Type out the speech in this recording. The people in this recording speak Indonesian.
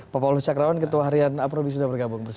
pak paulus cakrawan ketua harian aprobis sudah bergabung bersama